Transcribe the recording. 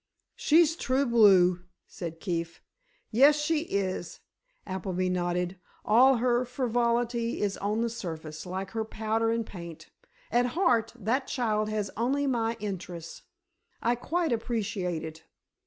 "She's true blue," said Keefe. "Yes, she is," Appleby nodded. "All her frivolity is on the surface, like her powder and paint. At heart, that child has only my interests. I quite appreciate it."